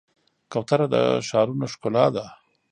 کوتره د ښارونو ښکلا ده.